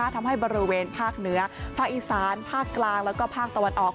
ทำให้บริเวณภาคเหนือภาคอีกฟ้าร์ภาคกลางและฟ้ากตะวันออก